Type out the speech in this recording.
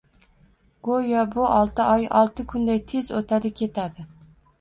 Goʻyo bu olti oy olti kunday tez oʻtadi-ketadi